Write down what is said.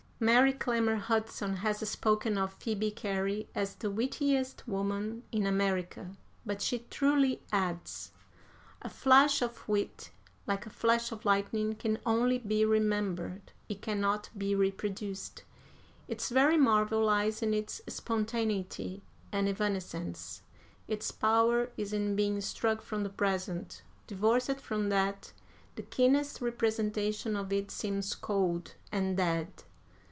Mary Clemmer Hudson has spoken of Phoebe Cary as "the wittiest woman in America." But she truly adds: "A flash of wit, like a flash of lightning, can only be remembered, it cannot be reproduced. Its very marvel lies in its spontaneity and evanescence; its power is in being struck from the present. Divorced from that, the keenest representation of it seems cold and dead.